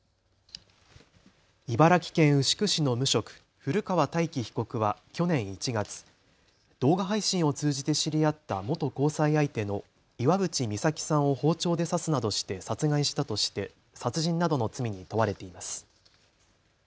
茨城県牛久市の無職、古川大輝被告は去年１月、動画配信を通じて知り合った元交際相手の岩渕未咲さんを包丁で刺すなどして殺害したとして殺人などの罪に問われています。